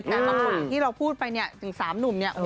แต่ต่อผลที่เราพูดไปเนี่ยถึง๓หนุ่มเนี่ย